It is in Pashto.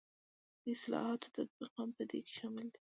د اصلاحاتو تطبیق هم په دې کې شامل دی.